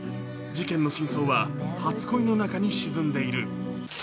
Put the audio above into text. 事件の真相は初恋の中に沈んでいる。